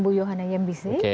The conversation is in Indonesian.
bu yohana yembisik